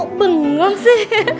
eh kok bengong sih